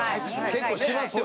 結構しますよね。